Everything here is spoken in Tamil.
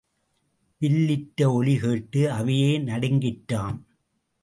வில் இற்ற ஒலி கேட்டு அவையே நடுங்கிற்றாம்.